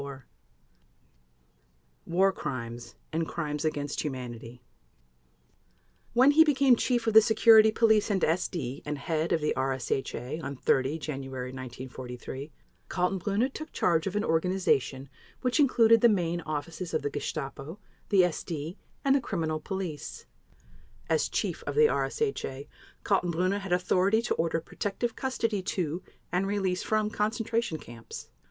War Crimes and Crimes against Humanity When he became Chief of the Security Police and SD and Head of the RSHA on 30 January 1943, Kaltenbrunner took charge of an organization which included the main offices of the Gestapo, the SD, and the Criminal Police. As Chief of the RSHA, Kaltenbrunner had authority to order protective custody to and release from concentration camps.